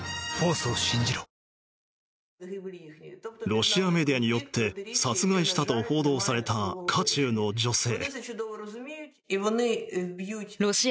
ロシアメディアによって殺害したと報道された渦中の女性。